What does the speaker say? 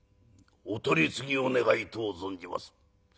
お取り次ぎを願いとう存じます」。